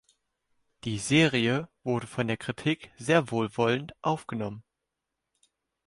Die Serie wurde von der Kritik sehr wohlwollend aufgenommen.